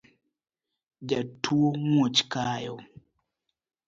Jatuo muoch kayo